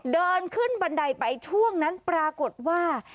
เดินขึ้นบันไดไปช่วงนั้นปรากฏว่า